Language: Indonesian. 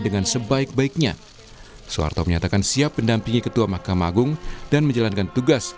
dengan sebaik baiknya soeharto menyatakan siap mendampingi ketua mahkamah agung dan menjalankan tugas